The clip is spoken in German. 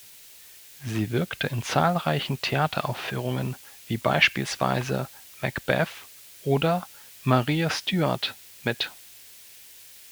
Sie wirkte in zahlreichen Theateraufführungen, wie beispielsweise "Macbeth" oder "Maria Stuart", mit.